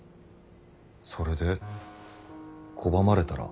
それで拒まれたら？